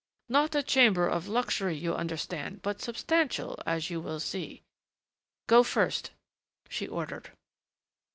"Not a chamber of luxury, you understand, but substantial, as you will see " "Go first," she ordered.